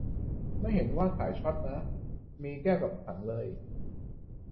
ไม่เห็นว่าขายช็อตนะ มีแก้วกับถังเลย